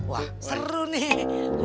wah seru nih